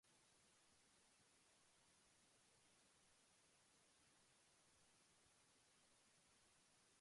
Effective warehouse logistics management leads to improved efficiency, reduced costs, and enhanced customer service.